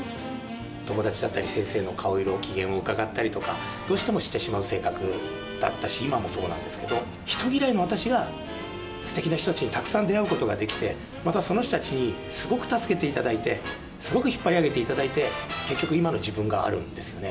友達だったり先生の顔色、機嫌をうかがったりとか、どうしてもしてしまう性格だったし今もそうなんですけど、人嫌いの私が、すてきな人たちにたくさん出会うことができて、またその人たちにすごく助けていただいて、すごく引っ張り上げていただいて、結局、今の自分があるんですよね。